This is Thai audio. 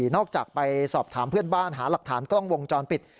นอกจากไปสอบถามเพื่อนบ้านหาหลักฐานกล้องวงจรปิด